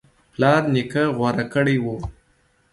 پلار نیکه غوره کړی و